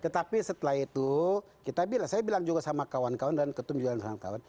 tetapi setelah itu kita bilang saya bilang juga sama kawan kawan dan ketum juga dan kawan kawan